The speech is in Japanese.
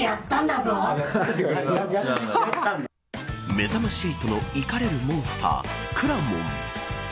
めざまし８の怒れるモンスター、くらもん。